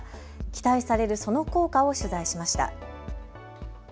期待されるその効果を取材しました。